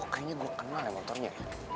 kayaknya gue kenal motornya